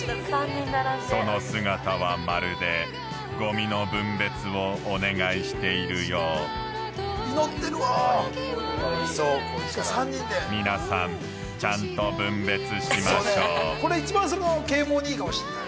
その姿はまるでゴミの分別をお願いしているよう祈ってるわ３人で皆さんちゃんと分別しましょうそうね